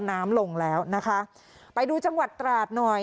น้ำลงแล้วนะคะไปดูจังหวัดตราดหน่อย